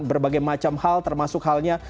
berbagai macam hal termasuk halnya